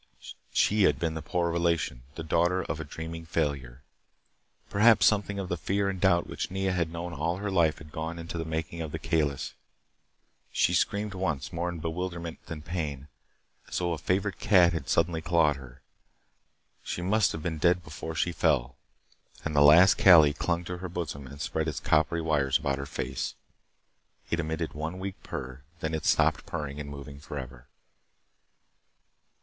She had been the poor relation, the daughter of a dreaming failure. Perhaps something of the fear and doubt which Nea had known all her life had gone into the making of the Kalis. She screamed once more in bewilderment than pain, as though a favorite cat had suddenly clawed her. She must have been dead before she fell, and the last Kali clung to her bosom and spread its copper wires about her face. It emitted one weak purr then it stopped purring and moving forever.